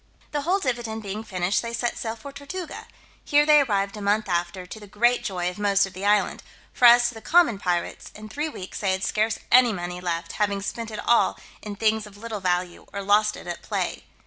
The whole dividend being finished, they set sail for Tortuga: here they arrived a month after, to the great joy of most of the island; for as to the common pirates, in three weeks they had scarce any money left, having spent it all in things of little value, or lost it at play.